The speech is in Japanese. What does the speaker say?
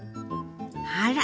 あら！